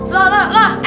lah lah lah